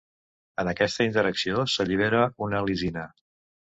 En aquesta interacció s'allibera una lisina.